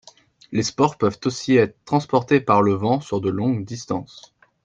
Les spores peuvent aussi être transportées par le vent sur de longues distances.